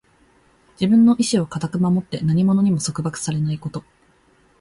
自分の意志を固く守って、何者にも束縛されないこと。